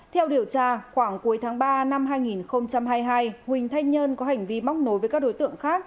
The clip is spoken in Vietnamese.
theo điều tra khoảng cuối tháng ba năm hai nghìn hai mươi hai huỳnh thanh nhơn có hành vi móc nối với các đối tượng khác